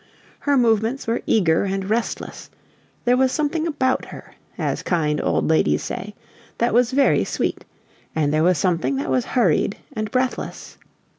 Her movements were eager and restless: there was something about her, as kind old ladies say, that was very sweet; and there was something that was hurried and breathless.